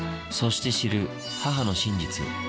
そして知る、母の真実。